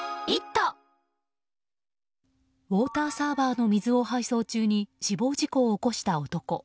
ウォーターサーバーの水を配送中に死亡事故を起こした男。